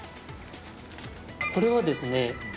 これはですね